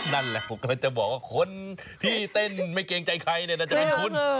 นั่นแหละผมก็จะบอกว่าคนที่เต้นไม่เกรงใจใครเนี่ยน่าจะเป็นคุณ